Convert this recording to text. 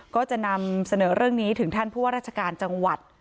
ก็จะนำเสนอเรื่องนี้ถึงพรัชกาลจังหวัด